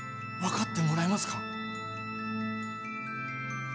分かってもらえますか？